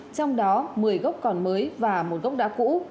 trong đó một mươi gốc còn mới và một gốc đã cũ